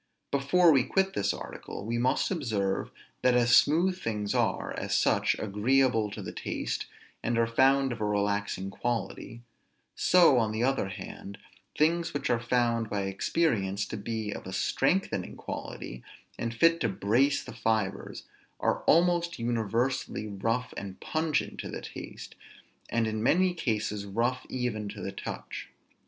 Before we quit this article, we must observe, that as smooth things are, as such, agreeable to the taste, and are found of a relaxing quality; so on the other hand, things which are found by experience to be of a strengthening quality, and fit to brace the fibres, are almost universally rough and pungent to the taste, and in many cases rough even to the touch.